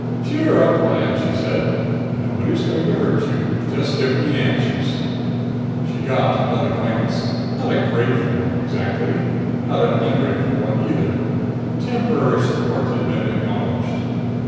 "Cheer up, Lyad!" she said. "Nobody's going to hurt you. Just give 'em the answers!" She got another glance. Not a grateful one, exactly. Not an ungrateful one either. Temporary support had been acknowledged.